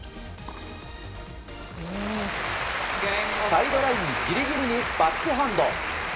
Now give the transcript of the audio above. サイドラインギリギリにバックハンド。